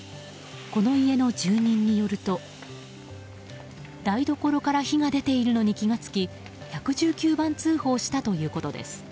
この家の住人によると台所から火が出ているのに気が付き１１９番通報したということです。